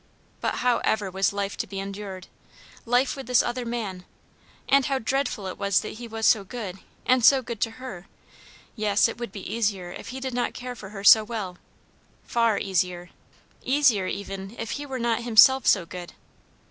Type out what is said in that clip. But how ever was life to be endured? life with this other man? And how dreadful it was that he was so good, and so good to her! Yes, it would be easier if he did not care for her so well, far easier; easier even if he were not himself so good.